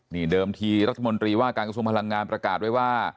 นี่เดิมทีรัฐมนตรีว่าการกระทรวงพลังงานประกาศไว้ว่า